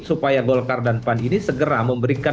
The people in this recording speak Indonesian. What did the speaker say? supaya golkar dan pan ini segera memberikan